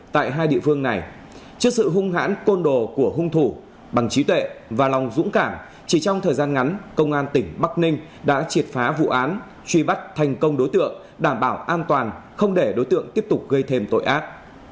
tại hai địa phương này trước sự hung hãn côn đồ của hung thủ bằng trí tuệ và lòng dũng cảm chỉ trong thời gian ngắn công an tỉnh bắc ninh đã triệt phá vụ án truy bắt thành công đối tượng đảm bảo an toàn không để đối tượng tiếp tục gây thêm tội ác